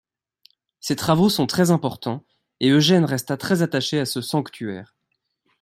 Ces travaux sont très importants et Eugène resta très attaché à ce sanctuaire.